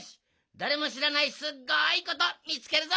だれもしらないすっごいことみつけるぞ！